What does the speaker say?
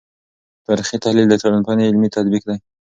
تاریخي تحلیل د ټولنپوهنې علمي تطبیق دی.